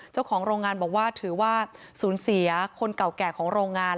เจ้าของโรงงานบอกว่าถือว่าสูญเสียคนเก่าแก่ของโรงงาน